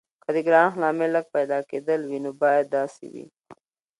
که د ګرانښت لامل لږ پیدا کیدل وي نو باید داسې وي.